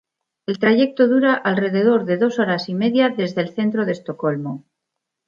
El trayecto dura alrededor de dos horas y media desde el centro de Estocolmo.